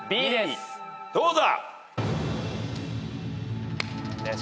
どうだ？